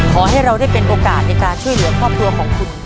ขอให้เราได้เป็นโอกาสในการช่วยเหลือครอบครัวของคุณ